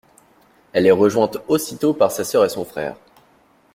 Elle est rejointe aussitôt par sa sœur et son frère.